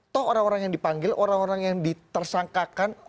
toh orang orang yang dipanggil orang orang yang ditersangkakan